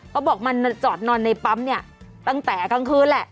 เขาบอกมันจอดนอนในปั๊มเนี่ยตั้งแต่กลางคืนแหละ